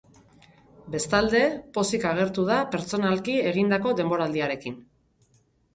Bestalde, pozik agertu da pertsonalki egindako denboraldiarekin.